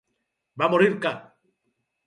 Va morir ca.